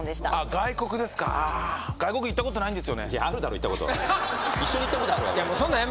外国ですか外国行ったことないんですよねいやあるだろ行ったこと一緒に行ったことあるわいや